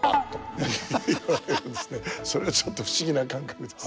それがちょっと不思議な感覚です。